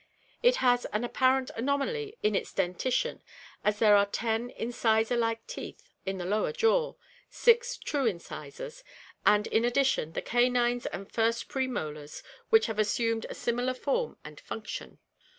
It has an apparent anomaly in its dentition, as there are ten incisor like teeth in the lower jaw, six true incisors, and in addition the canines and first premolars which have assumed a similar form and function.